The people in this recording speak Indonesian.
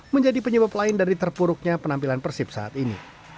menjadi penyebab lain dari terpuruknya penampilan persib saat ini